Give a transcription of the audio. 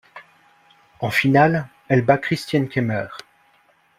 En finale, elle bat Kristien Kemmer.